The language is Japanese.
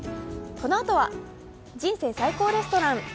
このあとは「人生最高レストラン」。